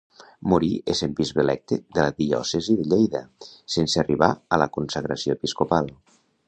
Morí essent bisbe electe de la diòcesi de Lleida sense arribar a la consagració episcopal.